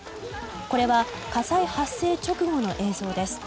これは火災発生直後の映像です。